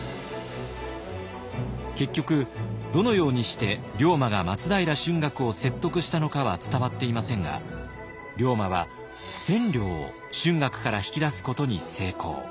結局どのようにして龍馬が松平春嶽を説得したのかは伝わっていませんが龍馬は千両を春嶽から引き出すことに成功。